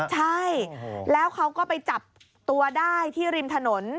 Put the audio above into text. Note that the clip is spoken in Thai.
ใช่แล้วเขาก็ไปจับตัวได้ที่ริมถนน